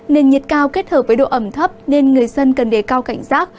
nền nhiệt cao kết hợp với độ ẩm thấp nên người dân cần đề cao cảnh giác